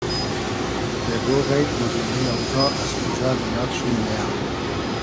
یئگۉ غݷد موگیم ای لۆزا از کوجا دۂ یاد شوم مېیۂ